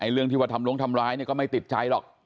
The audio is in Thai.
เรื่องที่ว่าทำลงทำร้ายก็ไม่ติดใจหรอก